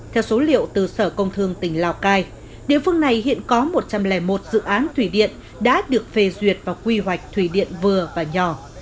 theo số liệu từ sở công thương tỉnh lào cai địa phương này hiện có một trăm linh một dự án thủy điện đã được phê duyệt và quy hoạch thủy điện vừa và nhỏ